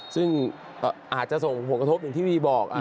ซึ่งอาจจะส่งผลกระทบอย่างที่วีบอก